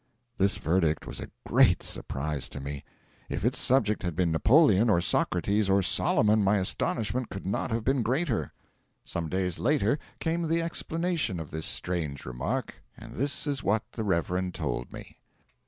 This verdict was a great surprise to me. If its subject had been Napoleon, or Socrates, or Solomon, my astonishment could not have been greater. Some days later came the explanation of this strange remark, and this is what the Reverend told me.